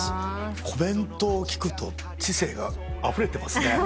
コメントを聞くと知性があふれてますね。